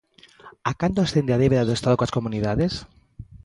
A canto ascende a débeda do Estado coas comunidades?